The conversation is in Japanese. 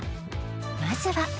まずは